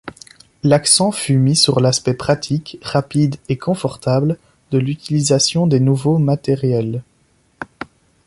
L'accent fut mis sur l'aspect pratique, rapide et confortable de l'utilisation des nouveaux matériels.